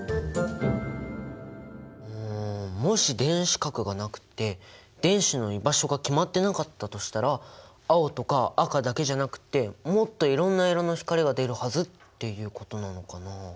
うんもし電子殻がなくって電子の居場所が決まってなかったとしたら青とか赤だけじゃなくってもっといろんな色の光が出るはずっていうことなのかな？